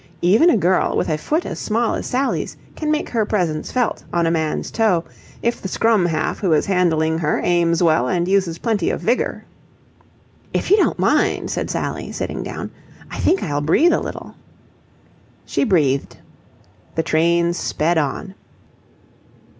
Even a girl with a foot as small as Sally's can make her presence felt on a man's toe if the scrum half who is handling her aims well and uses plenty of vigour. "If you don't mind," said Sally, sitting down, "I think I'll breathe a little." She breathed. The train sped on.